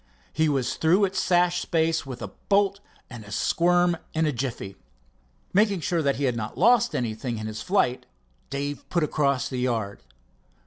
He was through its sash space with a bolt and a squirm in a jiffy. Making sure that he had lost nothing in his flight, Dave put across the yard.